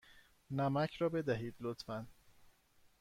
نمک را بدهید، لطفا.